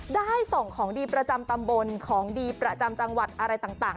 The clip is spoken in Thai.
ได้ส่งของดีประจำตำบลของดีประจำจังหวัดอะไรต่าง